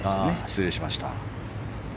失礼しました。